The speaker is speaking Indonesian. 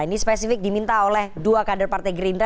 ini spesifik diminta oleh dua kader partai gerindra